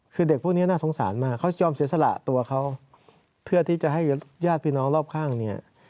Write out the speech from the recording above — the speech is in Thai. คือเด็กพวกนี้น่าสงสารมากเขายอมเสียสละตัวเขาเพื่อที่จะให้ญาติพี่น้องรอบข้างเนี่ย